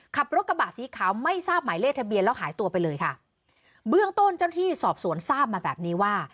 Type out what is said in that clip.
ขับรถกระบะสีขาวไม่ทราบหมายเลขทะเบียนแล้วหายตัวไปเลยค่ะเบื้องต้นเจ้าที่สอบสวนทราบมาแบบนี้ว่า